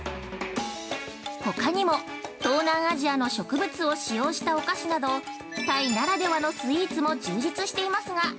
◆ほかにも、東南アジアの植物を使用したお菓子などタイならではのスイーツも充実していますが。